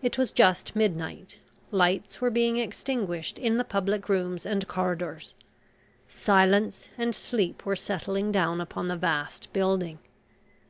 It was just midnight. Lights were being extinguished in the public rooms and corridors silence and sleep were settling down upon the vast building.